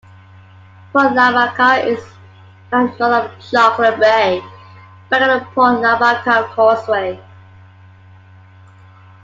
Port Lavaca is found north of Chocolate Bay, back at the Port Lavaca Causeway.